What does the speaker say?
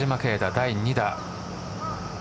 第２打。